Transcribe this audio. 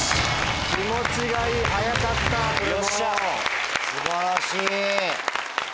気持ちがいい早かったこれも。素晴らしい。